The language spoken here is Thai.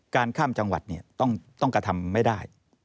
ข้ามจังหวัดต้องกระทำไม่ได้